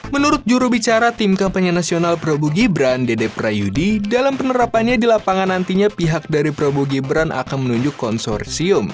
menurut jurubicara tim kampanye nasional prabowo gibran dede prayudi dalam penerapannya di lapangan nantinya pihak dari prabowo gibran akan menunjuk konsorsium